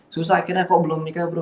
susah akhirnya kok belum nikah